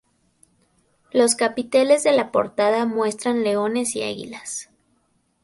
Los capiteles de la portada muestran leones y águilas.